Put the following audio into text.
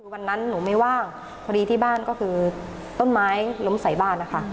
วันนั้นหนูไม่ว่างพอดีที่บ้านก็คือต้นไม้ล้มใส่บ้านนะคะ